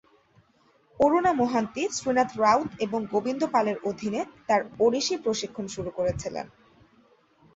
অরুণা মোহান্তি শ্রীনাথ রাউত এবং গোবিন্দ পালের অধীনে তাঁর ওড়িশি প্রশিক্ষণ শুরু করেছিলেন।